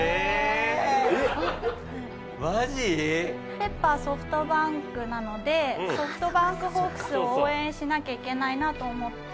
ペッパーソフトバンクなのでソフトバンクホークスを応援しなきゃいけないなと思って。